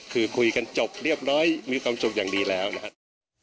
คือคุยกันจบเรียบร้อยมีความสุขอย่างดีแล้วนะครับ